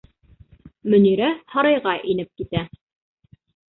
Мөнирә һарайға инеп китә.